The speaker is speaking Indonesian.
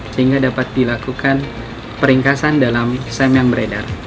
sehingga dapat dilakukan peringkasan dalam sam yang beredar